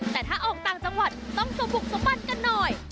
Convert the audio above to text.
แต่ถ้าออกต่างจังหวัดต้องสบุกสมบันกันหน่อย